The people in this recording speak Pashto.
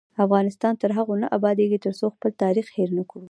افغانستان تر هغو نه ابادیږي، ترڅو خپل تاریخ هیر نکړو.